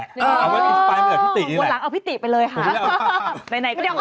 หัวหลังเอาพี่ตี้ไปเลยค่ะ